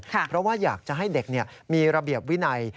เพราะว่าอยากจะให้เด็กมีระเบียบวินัย